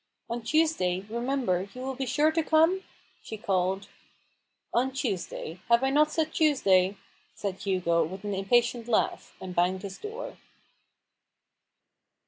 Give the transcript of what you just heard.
" On Tuesday, remember, you will be sure to come ?" she called. " On Tuesday ; have I not said Tuesday ?" said Hugo, with an impatient laugh, and banged his door.